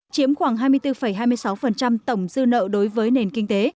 chiếm khoảng hai mươi bốn hai mươi sáu tổng dư nợ đối với nền kinh tế